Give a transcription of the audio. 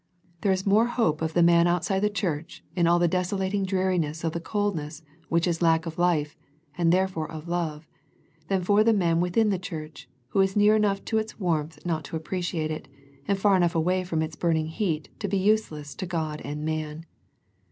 There is more hope of the man outside the church in all the desolating dreari ness of that coldness which is lack of life, and therefore of love, than for the man within the church who is near enough to its warmth not to appreciate it, and far enough away from its burning heat to be useless to God and man.